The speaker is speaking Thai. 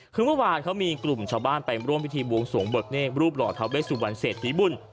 คือเมื่อวานเขามีกลุ่มชาวบ้านไปร่วมพิธีบวงสวงเบิกเนกรูปหล่อทาเวสุวรรณเศรษฐีบุญ